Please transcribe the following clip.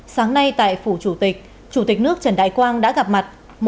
sáng nay tại phủ chủ tịch chủ tịch nước trần đại quang đã gặp mặt